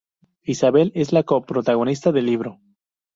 Isabelle: es la co-protagonista del libro.